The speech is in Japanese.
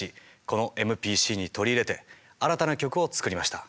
このＭＰＣに取り入れて新たな曲を作りました。